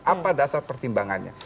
apa dasar pertimbangannya